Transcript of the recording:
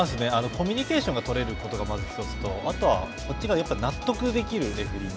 コミュニケーションが取れることがまず１つと、あとはこっちが納得できるレフェリー。